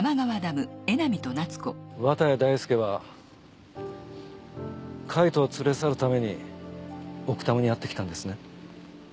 綿谷大介は海人を連れ去るために奥多摩にやって来たんですね？